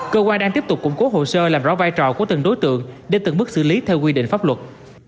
cơ quan đang tiếp tục củng cố hồ sơ làm rõ vai trò của từng đối tượng để từng bước xử lý theo quy định pháp luật